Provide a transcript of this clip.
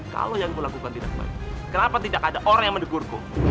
kalau yang kulakukan tidak baik kenapa tidak ada orang yang mendegurku